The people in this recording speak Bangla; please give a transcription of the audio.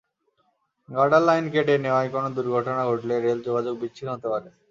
গার্ডার লাইন কেটে নেওয়ায় কোনো দুর্ঘটনা ঘটলে রেল যোগাযোগ বিচ্ছিন্ন হতে পারে।